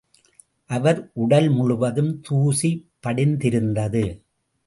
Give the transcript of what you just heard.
அவர் உடல் முழுவதும் தூசி படிந்திருந்தது.